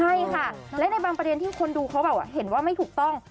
ใช่ค่ะและในบางประเด็นที่คนดูเขาแบบเห็นว่าไม่ถูกต้อง